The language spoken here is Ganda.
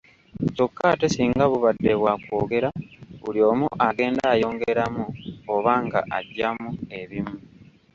Kyokka ate singa bubadde bwa kwogera buli omu agenda ayongeramu oba nga aggyamu ebimu.